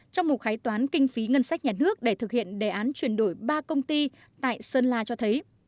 trong một khái toán kinh phí ngân sách nhà nước để thực hiện đề án chuyển đổi ba công ty tại sơn la cho thấy